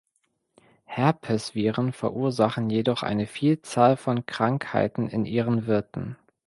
Herpesviren verursachen jedoch eine Vielzahl von Krankheiten in ihren Wirten.